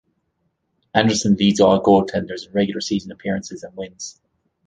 Anderson leads all goaltenders in regular season appearances and wins.